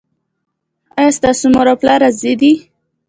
ایا ستاسو مور او پلار راضي دي؟